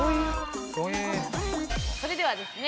それではですね